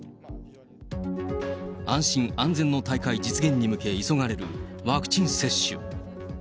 安心安全の大会実現に向け急がれるワクチン接種。